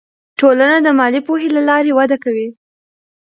ټولنه د مالي پوهې له لارې وده کوي.